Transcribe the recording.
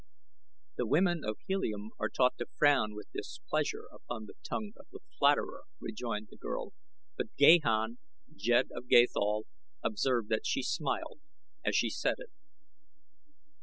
"The women of Helium are taught to frown with displeasure upon the tongue of the flatterer," rejoined the girl, but Gahan, Jed of Gathol, observed that she smiled as she said it.